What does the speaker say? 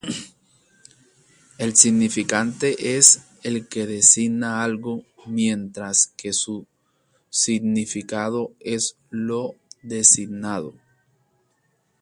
El significante es el que designa algo, mientras que su significado es lo designado.